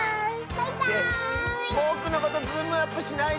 ぼくのことズームアップしないで！